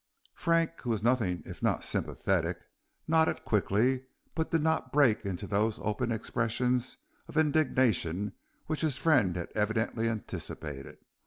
Frank, who was nothing if not sympathetic, nodded quickly, but did not break into those open expressions of indignation which his friend had evidently anticipated.